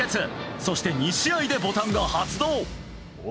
そして、２試合でボタンが発動。